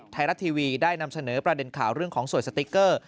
ไทยรัฐทีวีได้นำเสนอประเด็นข่าวเรื่องของสวยสติ๊กเกอร์